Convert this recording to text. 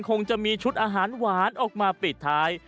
คงจะมีชุดอาหารหวานออกมาปิดท้าย